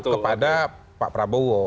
kepada pak prabowo